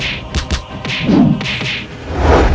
wselamat datang ke quemimana